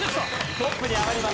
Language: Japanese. トップに上がります。